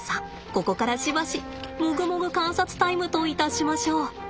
ここからしばしもぐもぐ観察タイムといたしましょう。